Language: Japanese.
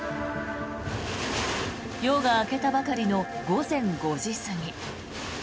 夜が明けたばかりの午前５時過ぎ。